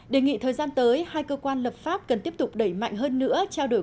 đề nghị thời gian tới hai cơ quan lập pháp cần tiếp tục đẩy mạnh hơn nữa trao đổi